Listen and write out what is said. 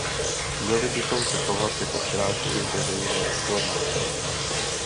Měli bychom se chovat jako strážci veřejné pokladny.